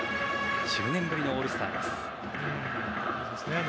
１０年ぶりのオールスターです。